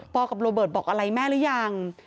กับโรเบิร์ตบอกอะไรแม่หรือยัง